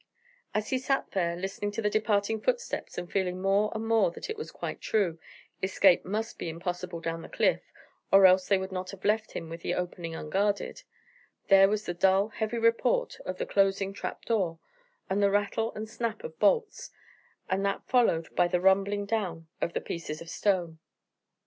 As he sat there, listening to the departing footsteps, and feeling more and more that it was quite true, escape must be impossible down the cliff, or else they would not have left him with the opening unguarded, there was the dull, heavy report of the closing trap door, and the rattle and snap of bolts, and that followed by the rumbling down of the pieces of stone.